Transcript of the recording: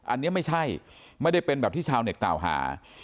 อันนี้ไม่ใช่ไม่ได้เป็นแบบที่ชาวเน็ตกล่าวหา